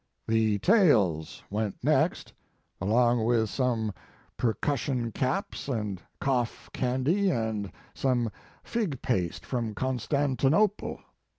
The tails went next, along with some percussion caps and cough candy, and some figpaste from Constantinople.